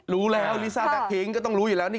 รู้แล้วก็ต้องรู้อยู่แล้ว